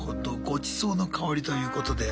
ごちそうの薫りということで。